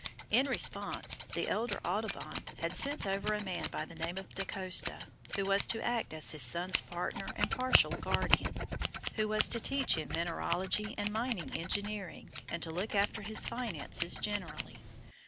In response, the elder Audubon had sent over a man by the name of Da Costa who was to act as his son's partner and partial guardian was to teach him mineralogy and mining engineering, and to look after his finances generally.